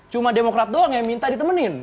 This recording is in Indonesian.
cuma demokrat doang yang minta ditemenin